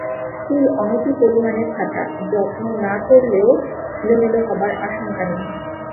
চুল অনতি-পরিমাণে ছাঁটা, যত্ন না করলেও এলোমেলো হবার আশঙ্কা নেই।